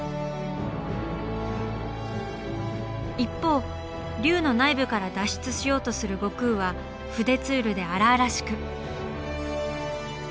一方龍の内部から脱出しようとする悟空は筆ツールで荒々しく。